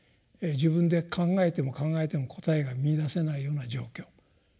自分で考えても考えても答えが見いだせないような状況。